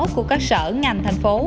của các sở ngành thành phố